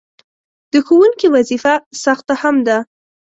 د ښوونکي وظیفه سخته هم ده.